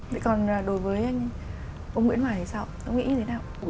vậy còn đối với ông nguyễn hoàng thì sao ông nghĩ thế nào